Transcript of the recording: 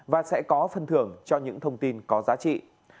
và sẽ có phân thưởng cho những thông tin có giá trị